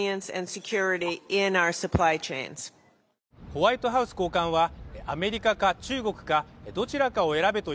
ホワイトハウス高官はアメリカか中国かどちらかを選べと